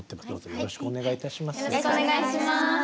よろしくお願いします。